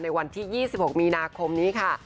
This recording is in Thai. วันที่๒๖มีนาคมนี้ค่ะ